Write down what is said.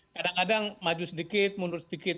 kadang kadang maju sedikit mundur sedikit